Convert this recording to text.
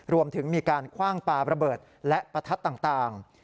รวมถึงมีการคว่างปลาระเบิดและประทัดต่าง